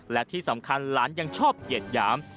และที่สำคัญหลานยังชอบเหยียดหยาม